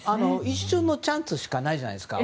一瞬のチャンスしかないじゃないですか。